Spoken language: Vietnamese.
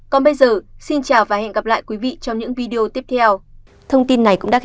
còn bây giờ xin chào và hẹn gặp lại quý vị trong những video tiếp theo